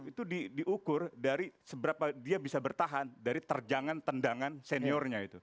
itu diukur dari seberapa dia bisa bertahan dari terjangan tendangan seniornya itu